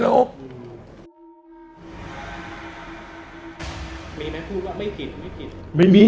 มีไหมพูดว่าไม่ผิดไม่ผิด